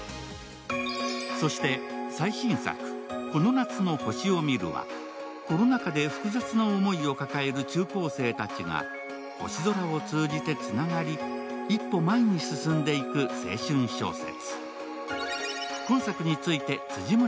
そして、最新作「この夏の星を見る」はコロナ禍で複雑な思いを抱える中高生たちが星空を通じて、つながり一歩前に進んでいく青春小説。